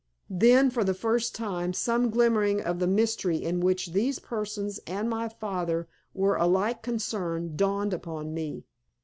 Then, for the first time, some glimmering of the mystery in which these persons and my father were alike concerned dawned upon me.